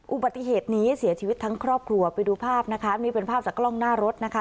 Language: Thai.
อุบัติเหตุนี้เสียชีวิตทั้งครอบครัวไปดูภาพนะคะนี่เป็นภาพจากกล้องหน้ารถนะคะ